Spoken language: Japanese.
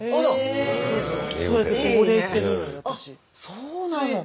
そうなの。